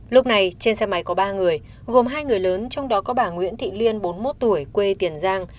lúc này trên xe máy có ba người gồm hai người lớn trong đó có bà nguyễn thị liên bốn mươi một tuổi quê tiền giang